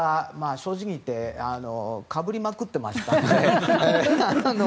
正直言ってかぶりまくっていましたので。